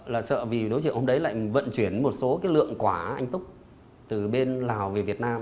là sợ vì đối diện ông đấy lại vận chuyển một số cái lượng quả anh túc từ bên lào về việt nam